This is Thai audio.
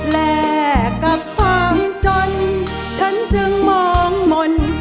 แลกกับความจนฉันจึงมองมนต์